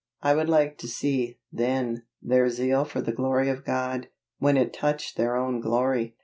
I would like to see, then, their zeal for the glory of God, when it touched their own glory.